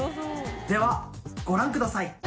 ではご覧ください。